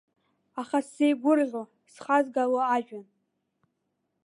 Аха сзеигәырӷьо, схазгало ажәҩан.